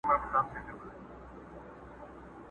په کور کلي کي اوس ګډه واویلا وه،